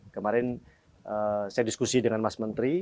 kemarin saya diskusi dengan mas menteri